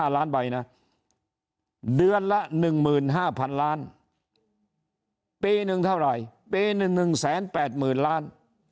๕ล้านใบนะเดือนละ๑๕๐๐๐ล้านปีหนึ่งเท่าไหร่ปี๑๘๐๐๐ล้าน